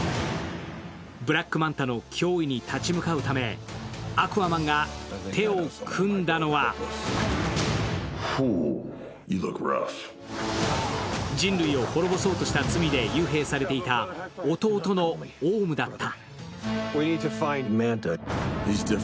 ブラックマンタの脅威に立ち向かうためアクアマンが手を組んだのは人類を滅ぼそうとした罪で幽閉されていた弟のオームだった。